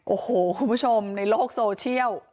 โอ้โหคุณผู้ชมในโลกโซเชียล